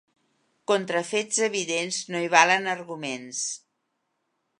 Contra fets evidents no hi valen arguments.